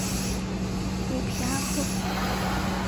卢皮阿克。